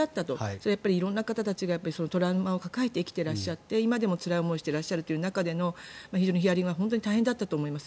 それは色んな方たちがトラウマを抱えて生きていらっしゃって今でもつらい思いをしていらっしゃるという中での非常にヒアリングは本当に大変だったと思います。